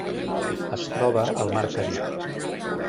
Es troba al Mar Carib: